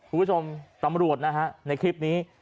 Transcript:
คุณผู้ชมตำรวจนะฮะในคลิปนี้